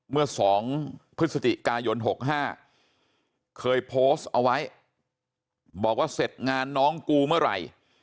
เมื่อ๒พฤศจิกายน๖๕เคยโพสต์เอาไว้บอกว่าเสร็จงานน้องกูเมื่อไหร่